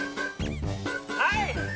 はい！